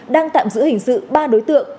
đang tạm giữ hình sự ba đối tượng